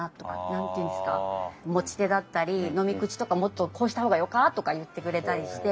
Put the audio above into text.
何て言うんですか持ち手だったり飲み口とかもっとこうした方がよか？とか言ってくれたりして。